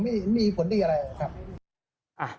ไม่มีผลแบบนี้อะไร